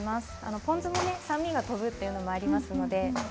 ポン酢も酸味が飛ぶということがありますので。